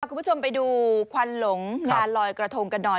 คุณผู้ชมไปดูควันหลงงานลอยกระทงกันหน่อย